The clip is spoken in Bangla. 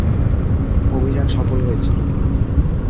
অভিযান সফল হয়েছিল।